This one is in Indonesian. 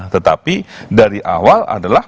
tetapi dari awal adalah